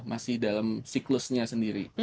masih dalam siklusnya sendiri